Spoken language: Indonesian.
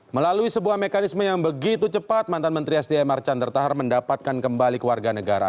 melalui sebuah mekanisme yang begitu cepat mantan menteri sdm archandra tahar mendapatkan kembali ke warga negara